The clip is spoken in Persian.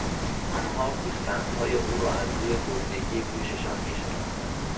آنها گوسفندهای او را از روی بریدگی گوششان میشناختند.